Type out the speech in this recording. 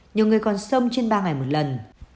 nhiều người còn sông trên ba ngày một lần